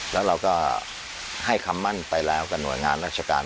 แล้วเราก็ให้คำมั่นไปแล้วกับหน่วยงานราชการ